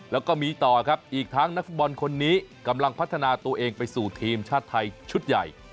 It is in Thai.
แล้วก็มีต่อครับอีกทั้งนักฟุตบอลคนนี้กำลังพัฒนาตัวเองไปสู่ทีมชาติไทยชุดใหญ่